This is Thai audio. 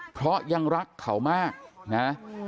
เพราะยังรักเขามากนะ